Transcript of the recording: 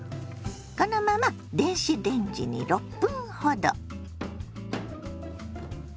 このまま電子レンジに６分ほど。